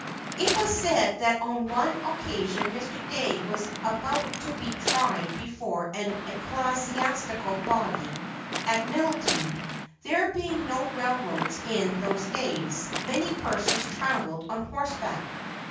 It was said that on one occasion Mr. Dey was about to be tried before an ecclesiastical body at Middletown. There being no railroads in those days, many persons travelled on horseback.